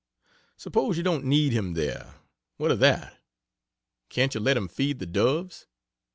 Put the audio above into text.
Suppose you don't need him there? What of that? Can't you let him feed the doves?